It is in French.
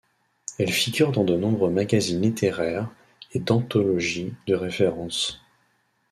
Elle figure dans de nombreux magazines littéraires et d'anthologies de référence.